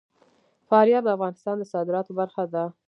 فاریاب د افغانستان د صادراتو برخه ده.